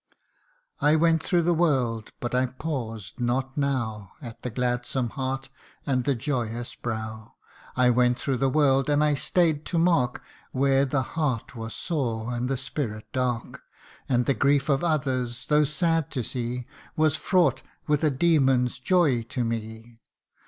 " I went through the world, but I paused not now At the gladsome heart and the joyous brow : I went through the world, and I stay'd to mark Where the heart was sore, and the spirit dark : And the grief of others, though sad to see, Was fraught with a demon's joy to me